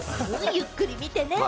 ゆっくり見てね。